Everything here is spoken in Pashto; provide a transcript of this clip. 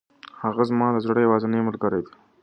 هغه زما د زړه یوازینۍ ملګرې ده.